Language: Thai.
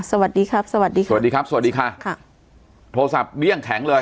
สวัสดีครับสวัสดีค่ะสวัสดีครับสวัสดีค่ะค่ะโทรศัพท์เลี่ยงแข็งเลย